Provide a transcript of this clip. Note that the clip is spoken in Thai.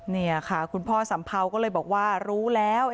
นี่ค่ะคุณพ่อสัมเภาก็เลยบอกว่ารู้แล้ว